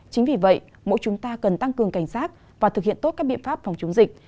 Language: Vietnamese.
chính vì vậy mỗi chúng ta cần tăng cường cảnh sát và thực hiện tốt các biện pháp phòng chống dịch